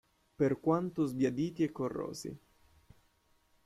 Per quanto sbiaditi e corrosi.